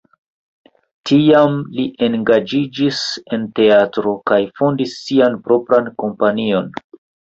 Tiam li engaĝiĝis en teatro kaj fondis sian propran kompanion.